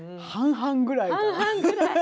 半々ぐらいだな。